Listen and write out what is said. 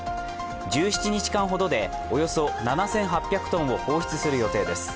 １７日間ほどでおよそ７８００ｔを放出する予定です。